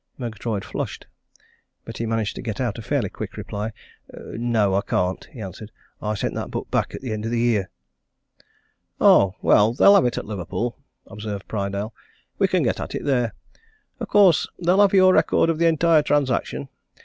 Murgatroyd flushed. But he managed to get out a fairly quick reply. "No, I can't," he answered, "I sent that book back at the end of the year." "Oh, well they'll have it at Liverpool," observed Prydale. "We can get at it there. Of course, they'll have your record of the entire transaction.